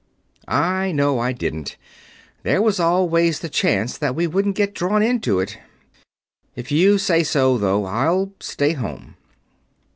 "I know I didn't. There was always the chance that we wouldn't get drawn into it. If you say so, though, I'll stay home."